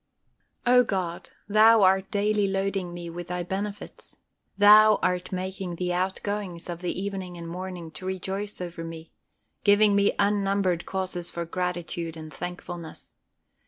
O God, Thou art daily loading me with Thy benefits. Thou art making the outgoings of the evening and morning to rejoice over me, giving me unnumbered causes for gratitude and thankfulness.